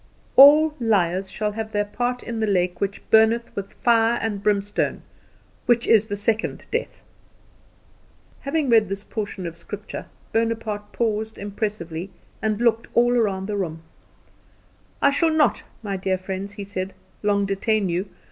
"All liars shall have their part in the lake which burneth with fire and brimstone, which is the second death." Having read this portion of Scripture, Bonaparte paused impressively, and looked all round the room. "I shall not, my dear friends," he said, "long detain you.